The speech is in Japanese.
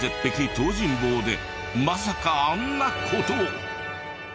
東尋坊でまさかあんな事を！？